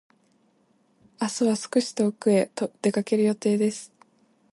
明日は少し遠くへ出かける予定です。